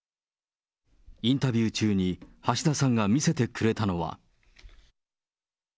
インタビュー中に橋田さんが見せてくれたのは。